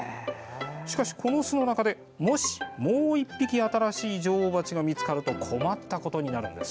しかし、この巣の中でもし、もう１匹新しい女王バチが見つかると困ったことになるんです。